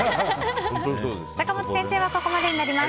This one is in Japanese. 坂本先生はここまでになります。